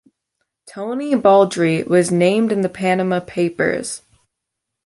Tony Baldry was named in the Panama Papers.